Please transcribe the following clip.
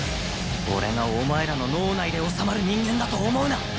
俺がお前らの脳内で収まる人間だと思うな！